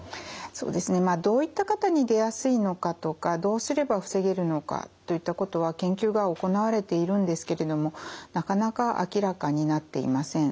そうですねまあどういった方に出やすいのかとかどうすれば防げるのかといったことは研究が行われているんですけれどもなかなか明らかになっていません。